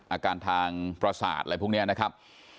อาการทางประสาทอะไรพวกนี้นะครับ